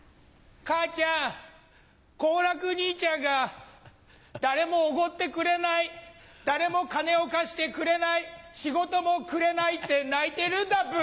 母ちゃん好楽兄ちゃんが誰もおごってくれない誰も金を貸してくれない仕事もくれないって泣いてるんだブ。